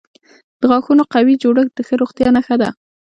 د غاښونو قوي جوړښت د ښه روغتیا نښه ده.